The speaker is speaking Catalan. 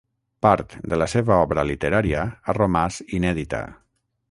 Part de la seva obra literària ha romàs inèdita.